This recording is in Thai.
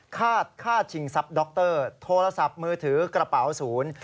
ฆาตฆ่าชิงทรัพย์ดรโทรศัพท์มือถือกระเป๋าศูนย์